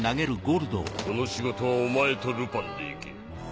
この仕事はお前とルパンで行け。